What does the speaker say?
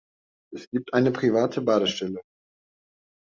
Es gibt eine private Badestelle.